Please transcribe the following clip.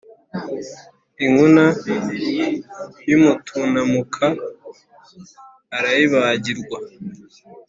inkuna y’umutunamuka arayibagirwa!